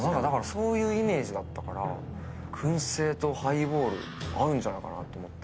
そういうイメージだったから燻製とハイボール合うんじゃないかなと思って。